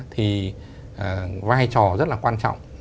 thì vai trò rất là quan trọng